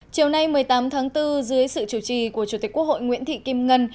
chiều nay một mươi tám tháng bốn dưới sự chủ trì của chủ tịch quốc hội nguyễn thị kim ngân